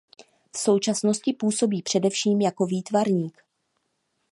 V současnosti působí především jako výtvarník.